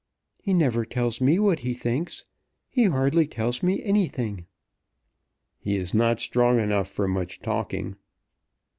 "He never tells me what he thinks. He hardly tells me anything." "He is not strong enough for much talking."